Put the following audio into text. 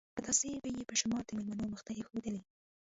پتاسې به یې په شمار د مېلمنو مخې ته ایښودلې.